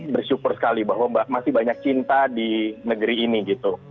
bersyukur sekali bahwa masih banyak cinta di negeri ini gitu